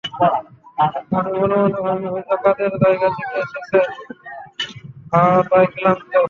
আমি মনে মনে ভাবি হয়তো কাজের জায়গা থেকে এসেছে তাই ক্লান্ত।